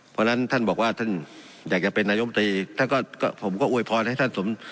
เพราะฉะนั้นท่านบอกว่าท่านอยากจะเป็นนายมตรีท่านก็ผมก็อวยพรให้ท่านสม